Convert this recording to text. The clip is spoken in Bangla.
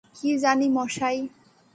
কী জানি মশায়!